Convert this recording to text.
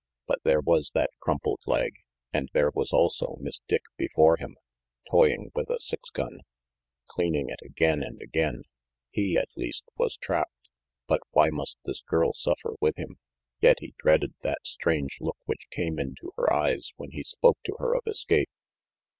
But there was that crumpled leg, and there was also Miss Dick before him, toying with a six gun, cleaning it again 372 RANGY PETE and again. He, at least, was trapped. But must this girl suffer with him? Yet he dreaded that strange look which came into her eyes when he spoke to her of escape.